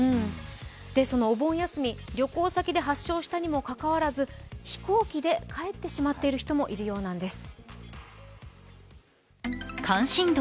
そのお盆休み、旅行先で発症したにもかかわらず、飛行機で帰ってしまっている人もいるみたいなんです。